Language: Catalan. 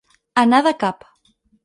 Anar de cap.